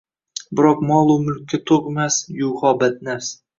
Biroq molu mulkka toʼymas yuho badnafs.